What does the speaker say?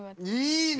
いいね！